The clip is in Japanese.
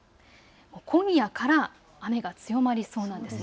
今夜から雨が強まりそうなんです。